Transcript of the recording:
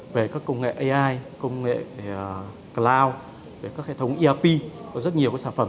về các công nghệ ai công nghệ cloud về các hệ thống erp có rất nhiều sản phẩm